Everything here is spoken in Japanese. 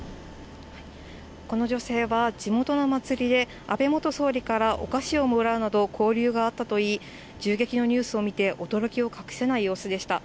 この女性は地元の祭りで、安倍元総理からお菓子をもらうなど交流があったといい、銃撃のニュースを見て驚きを隠せない様子でした。